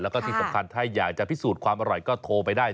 แล้วก็ที่สำคัญถ้าอยากจะพิสูจน์ความอร่อยก็โทรไปได้